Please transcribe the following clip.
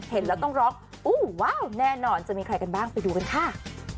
เห็นแล้วต้องร้องอู้ว้าวแน่นอนจะมีใครกันบ้างไปดูกันค่ะ